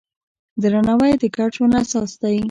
درناوی د ګډ ژوند اساس دی.